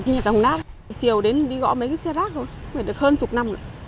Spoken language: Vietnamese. nhiệt đồng nát chiều đến đi gõ mấy cái xe rác thôi phải được hơn chục năm rồi